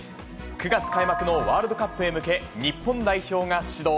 ９月開幕のワールドカップへ向け、日本代表が始動。